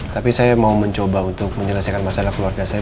tapi saya mau mencoba untuk menyelesaikan masalah keluarga saya